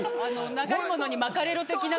長いものに巻かれろ的な。